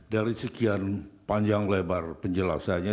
dari sekian panjang lebar penjelasannya